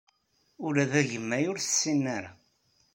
Ula d agemmay ur t-ssinen ara.